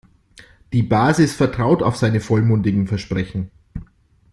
Die Basis vertraut auf seine vollmundigen Versprechen.